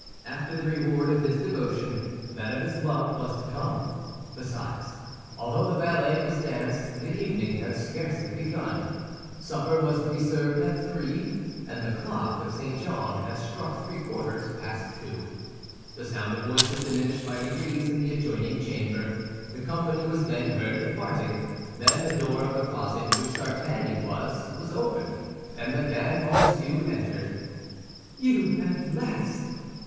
After the reward of his devotion, that of his love was to come. Besides, although the ballet was danced, the evening had scarcely begun. Supper was to be served at three, and the clock of St. Jean had struck three quarters past two. The sound of voices diminished by degrees in the adjoining chamber. The company was then heard departing; then the door of the closet in which D'Artagnan was, was opened, and Mme. Bonacieux entered. "You at last?"